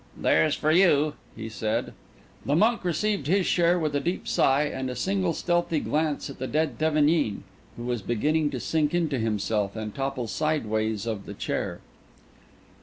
"There's for you," he said. The monk received his share with a deep sigh, and a single stealthy glance at the dead Thevenin, who was beginning to sink into himself and topple sideways of the chair.